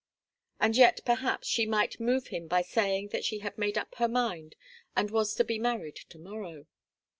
And, yet, perhaps she might move him by saying that she had made up her mind and was to be married to morrow.